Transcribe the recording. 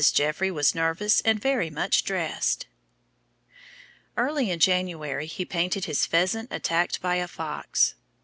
Jeffrey was nervous and very much dressed." Early in January he painted his "Pheasant attacked by a Fox."